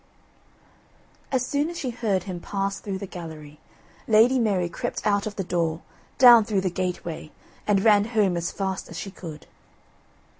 As soon as she heard him pass through the gallery, Lady Mary crept out of the door, down through the gateway, and ran home as fast as she could.